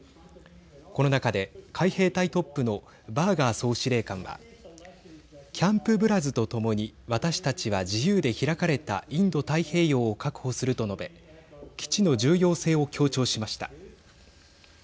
この中で海兵隊トップのバーガー総司令官はキャンプ・ブラズとともに私たちは自由で開かれたインド太平洋を確保すると述べ基地の重要性を強調しました。